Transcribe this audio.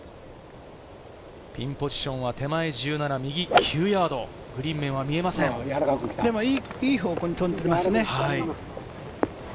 ピンポジションは手前１７、右９ヤード、グリーン面は見えまでも、いい方向に飛んでますね。